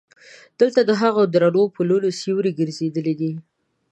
دلته د هغو درنو پلونو سیوري ګرځېدلی دي.